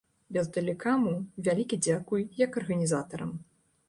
Белтэлекаму вялікі дзякуй, як арганізатарам.